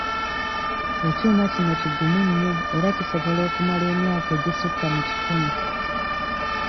Ekyuma kino kigumu nnyo era kisobola okumala emyaka egisukka mu kikumi.